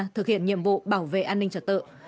thực hiện nhiệm vụ bảo vệ an ninh trật tự